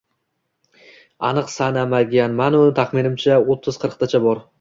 Aniq sanamaganman-u, taxminimcha o`ttiz-qirqtacha bor